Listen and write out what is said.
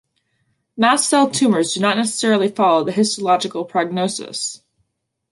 Mast cell tumors do not necessarily follow the histological prognosis.